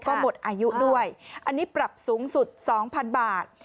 ก็หมดอายุด้วยอันนี้ปรับสูงสุด๒๐๐๐บาท